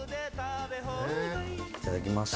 いただきます。